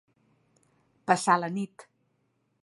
Passar la nit.